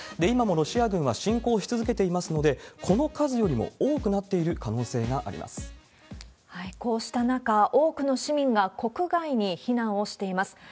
今もロシア軍は侵攻し続けていますので、この数よりも多くなってこうした中、多くの市民が国外に避難をしています。